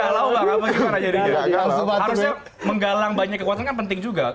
harusnya menggalang banyak kekuatan kan penting juga